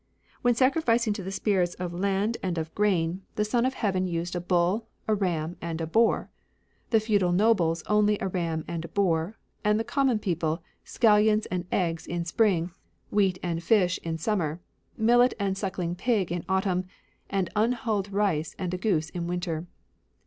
When sacrificing to the spirits of the land and of grain, 26 THE ANCIENT FAITH the Son of Heaven used a bull, a ram, and a boar ; the feudal nobles only a ram and a boar ; and the common people, scallions and eggs in spring, wheat and fish in summer, millet and a suoking pig m autumn, and unhulled rice and a goose in winter.